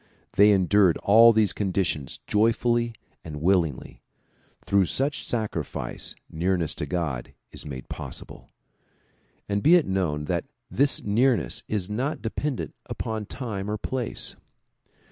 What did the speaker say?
They endured all these conditions joyfully and willingly. Through such sacrifice nearness to God is made possible. And be it known that this nearness is not dependent upon time or place.